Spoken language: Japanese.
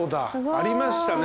ありましたね